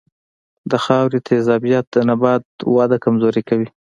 د خاورې تیزابیت د نبات وده کمزورې کوي.